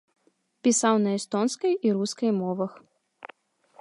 Пісаў на эстонскай і рускай мовах.